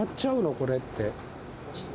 これって。